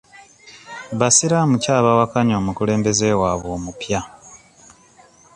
Basiraamu ki abawakanya omukulembeze waabwe omupya?